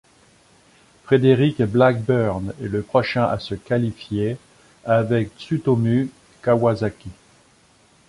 Frédéric Blackburn est le prochain à se qualifier avec Tsutomu Kawasaki.